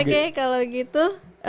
oke kalau gitu